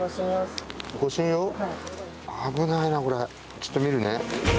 ・ちょっと見るね。